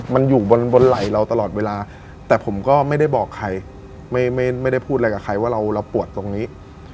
มันอยู่บนไหล่เราตลอดเวลาแต่ผมก็ไม่ได้บอกใครไม่ได้พูดอะไรกับใครว่าเราปวดตรงนี้